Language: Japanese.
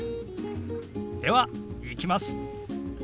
ではいきます。